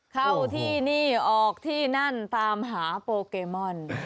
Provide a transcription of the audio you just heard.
เข้าที่นี่ออกที่นั่นตามหาโปเกมอน